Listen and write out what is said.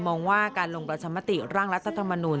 มองว่าการลงประชามติร่างรัฐธรรมนูล